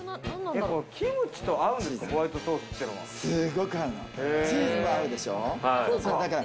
キムチと合うんですか？